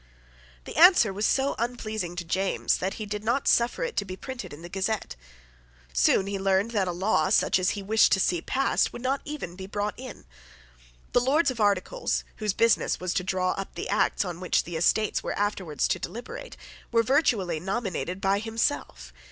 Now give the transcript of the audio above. The answer was so unpleasing to James that he did not suffer it to be printed in the Gazette. Soon he learned that a law, such as he wished to see passed, would not even be brought in. The Lords of Articles, whose business was to draw up the acts on which the Estates were afterwards to deliberate, were virtually nominated by himself.